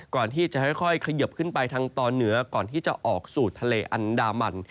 ก่อนที่จะค่อยเขยิบขึ้นไปทางตอนเหนือก่อนที่จะออกสู่ทะเลอันดามัน